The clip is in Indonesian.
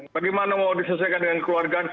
bagaimana mau disesuaikan dengan keluarga